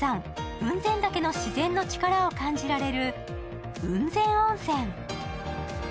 雲仙岳の自然の力を感じられる雲仙温泉。